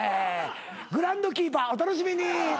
『グラウンドキーパー』お楽しみに。